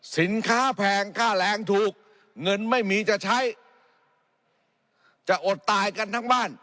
แพงค่าแรงถูกเงินไม่มีจะใช้จะอดตายกันทั้งบ้าน